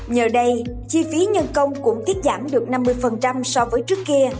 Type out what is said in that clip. nhờ đây chi phí nhân công cũng tiết giảm được năm mươi so với trước kia